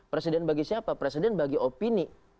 presiden bagi siapa presiden bagi opini